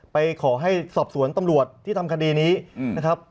ไปขอให้สอบสวนตำรวจที่ทำคดีนี้นะครับ